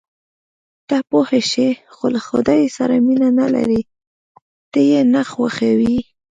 ته پوه شوې، خو له خدای سره مینه نه لرې، ته یې نه خوښوې.